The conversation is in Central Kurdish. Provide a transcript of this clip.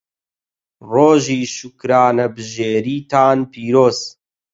ڕۆژی شوکرانەبژێریتان پیرۆز.